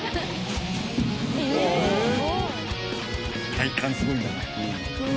体幹すごいんだな。